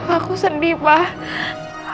aku sedih papa